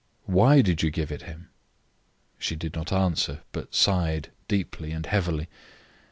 "Why did you give it him?" She did not answer, but sighed deeply and heavily.